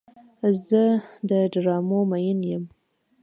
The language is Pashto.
زه د ډرامو مین یم.